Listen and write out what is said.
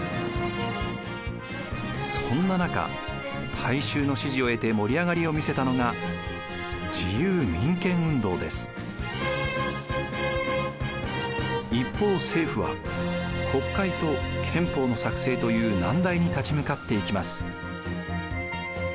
そんな中大衆の支持を得て盛り上がりを見せたのが一方政府は国会と憲法の作成という難題に立ち向かっていきます。